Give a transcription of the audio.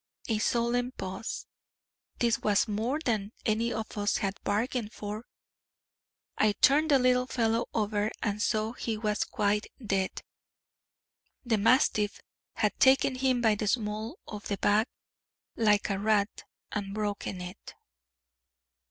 A solemn pause; this was more than any of us had bargained for. I turned the little fellow over, and saw he was quite dead; the mastiff had taken him by the small of the back, like a rat, and broken it.